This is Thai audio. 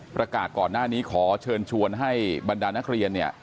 ก่อนหน้านี้ขอเชิญชวนให้บรรดานักเรียนเนี่ย